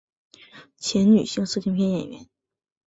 前女性色情片演员。